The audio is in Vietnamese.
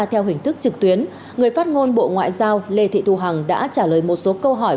theo hình thức trực tuyến người phát ngôn bộ ngoại giao lê thị thu hằng đã trả lời một số câu hỏi